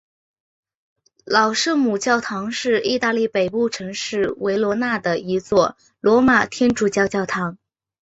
老圣母教堂是意大利北部城市维罗纳的一座罗马天主教教堂。